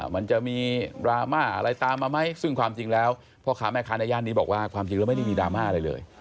มันจะมีดราม่าอะไรตามมาไหมซึ่งความจริงแล้วพ่อค้าแม่ค้าในย่านนี้บอกว่าความจริงแล้วไม่ได้มีดราม่าอะไรเลย